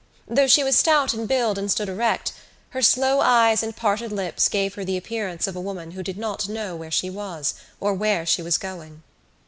Though she was stout in build and stood erect her slow eyes and parted lips gave her the appearance of a woman who did not know where she was or where she was going.